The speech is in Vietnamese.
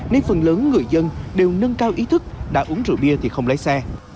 nên phần lớn người dân đều nâng cao ý thức đã uống rượu bia thì không lái xe